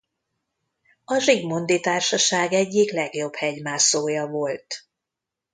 A Zsigmondy Társaság egyik legjobb hegymászója volt.